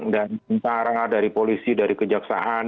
dari antara dari polisi dari kejaksaan